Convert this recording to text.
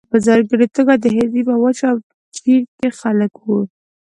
په ځانګړې توګه د هند نیمه وچه او چین کې خلک وو.